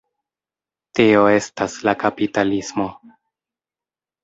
Tio estas la kapitalismo.